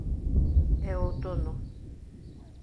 É outono.